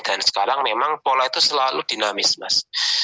dan sekarang memang pola itu selalu dinamis mas